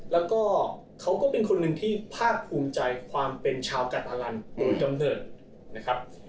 แล้วก็เขาก็เป็นคนหนึ่งที่ภาคภูมิใจความเป็นชาวการพนันหรือกำเนิดนะครับ